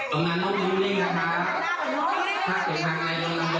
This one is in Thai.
กำลังต้องบัตรยี่สุดนะคะ